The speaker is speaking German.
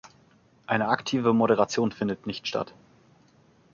Eine aktive Moderation findet nicht statt.